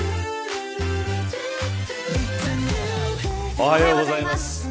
おはようございます。